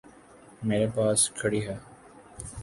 میرے پاس کھڑی ہے۔